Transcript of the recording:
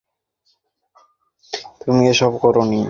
তুমি এসব করোনি।